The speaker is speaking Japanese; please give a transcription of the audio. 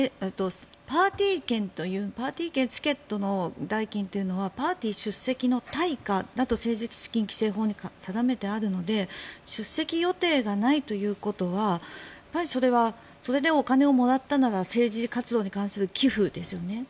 パーティー券チケットの代金というのはパーティー出席の対価だと政治資金規正法に定めてあるので出席予定がないということはそれはそれでお金をもらったなら政治活動に関する寄付ですよね。